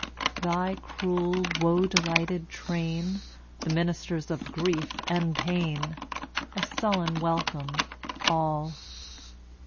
Thy cruel, woe delighted train, The ministers of grief and pain, A sullen welcome, all!